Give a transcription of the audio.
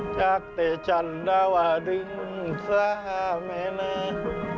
จากเตะชันด้าวาดึงซ้ำแม่น้า